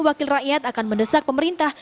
wakil rakyat akan mendesak pemerintah